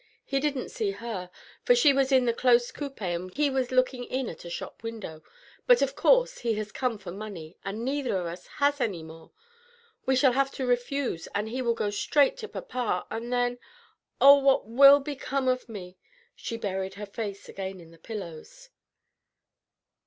He didn't see her, for she was in the close coupé, and he was looking in at a shop window; but, of course, he has come for money, and neither of us has any more. We shall have to refuse, and he will go straight to papa, and then oh, what will become of me?" She buried her face again in the pillows.